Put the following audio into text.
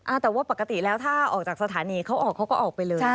แต่ว่าปกติแล้วถ้าออกจากสถานีเขาออกเขาก็ออกไปเลย